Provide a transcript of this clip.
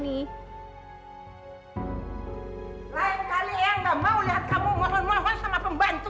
lain kalian yang gak mau lihat kamu mohon mohon sama pembantu